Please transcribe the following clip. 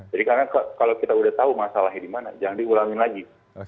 jadi karena kalau kita sudah tahu masalahnya dimana jangan diulangi lagi